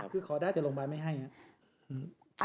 คือขอได้แต่โรงพยาบาลไม่ให้ครับ